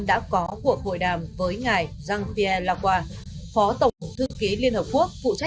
đã có cuộc hội đàm với ngài jean pierre lacroix phó tổng thư ký liên hợp quốc